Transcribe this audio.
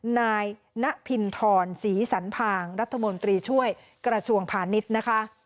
นายณพินทรศรีสันพางรัฐมนตรีช่วยกระทรวงพาณิชย์นะคะ